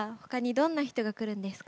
どんな人が来るんですか？